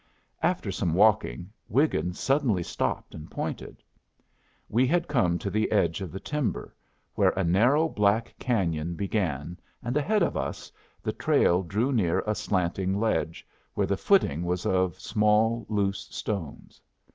After some walking, Wiggin suddenly stopped and pointed. We had come to the edge of the timber, where a narrow black canyon began, and ahead of us the trail drew near a slanting ledge, where the footing was of small loose stones.